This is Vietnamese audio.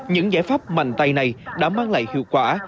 những giải pháp mạnh tay này đã mang lại hiệu quả